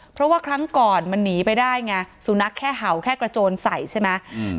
เพราะว่าครั้งก่อนมันหนีไปได้ไงสุนัขแค่เห่าแค่กระโจนใส่ใช่ไหมอืม